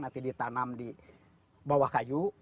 nanti ditanam di bawah kayu